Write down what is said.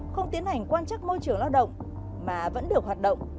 không tiến hành quan chắc môi trường lao động mà vẫn được hoạt động